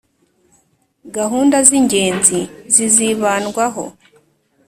gahunda z'ingenzi zizibandwaho .